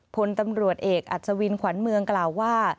พลตำรวจเอกอัศวินขวัญเมืองกล่าวว่า